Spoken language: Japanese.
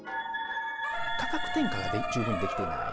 価格転嫁が十分にできていない。